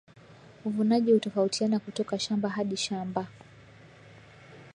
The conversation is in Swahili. Uvunaji hutofautiana kutoka shamba hadi shamba